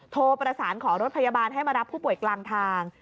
โทรประสานขอรถพยาบาลให้มารับผู้ป่วยกลางทาง